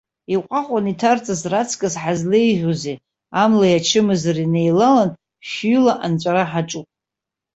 Иҟәаҟәан иҭарҵаз раҵкыс ҳазлеиӷьузеи, амлеи ачымазареи неилалан, шәҩыла анҵәара ҳаҿуп!